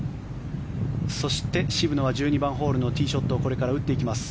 そして、渋野は１２番ホールのティーショットをこれから打っていきます。